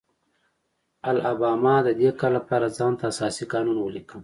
الاباما د دې کار لپاره ځان ته اساسي قانون ولیکه.